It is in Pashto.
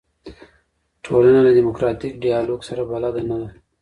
ټولنه له دیموکراتیک ډیالوګ سره بلده نه ده.